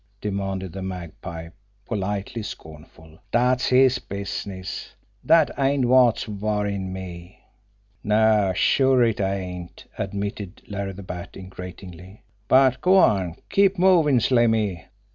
demanded the Magpie, politely scornful. "Dat's his business dat ain't wot's worryin' me!" "No sure, it ain't!" admitted Larry the Bat ingratiatingly. "But go on, keep movin', Slimmy!